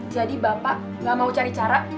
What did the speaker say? jadi bapak gak mau cari cara